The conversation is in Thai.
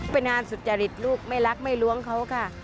เป็นงานสุจริตลูกไม่รักไม่ล้วงเขาค่ะ